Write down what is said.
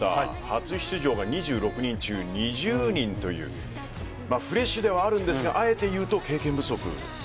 初出場が２６人中２０人というフレッシュではあるんですがあえて言うと経験不足。